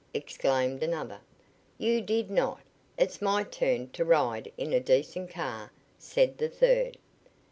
exclaimed another. "You did not! It's my turn to ride in a decent car," said the third.